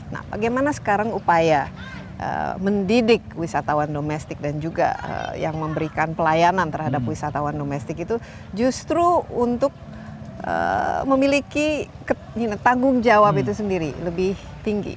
nah bagaimana sekarang upaya mendidik wisatawan domestik dan juga yang memberikan pelayanan terhadap wisatawan domestik itu justru untuk memiliki tanggung jawab itu sendiri lebih tinggi